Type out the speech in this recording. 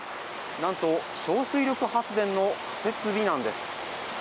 なんと小水力発電の設備なんです